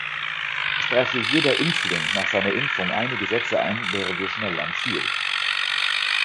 Spräche jeder Impfling nach seiner Impfung einige Sätze ein, wären wir schnell am Ziel.